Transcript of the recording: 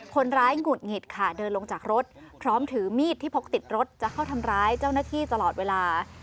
หงุดหงิดค่ะเดินลงจากรถพร้อมถือมีดที่พกติดรถจะเข้าทำร้ายเจ้าหน้าที่ตลอดเวลา